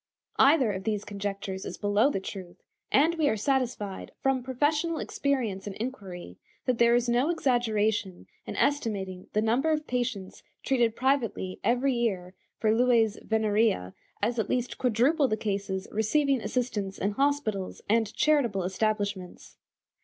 Either of these conjectures is below the truth, and we are satisfied, from professional experience and inquiry, that there is no exaggeration in estimating the number of patients treated privately every year for lues venerea as at least quadruple the cases receiving assistance in hospitals and charitable establishments.